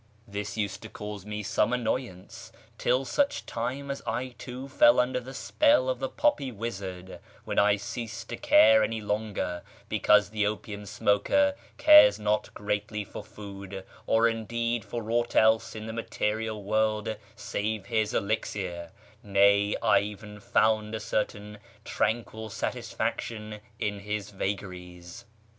This used to cause me some annoyance till such time as I too fell under the spell of the poppy wizard, when I ceased to care any longer (because the opium smoker cares not greatly for food, or indeed for aught else in the material world save his elixir) ; nay, I even found a certain tranquil satisfaction in his vagaries.